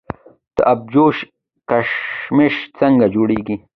د ابجوش کشمش څنګه جوړیږي؟